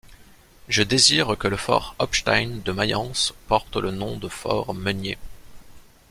Je désire que le fort Hauptstein de Mayence porte le nom de fort Meunier.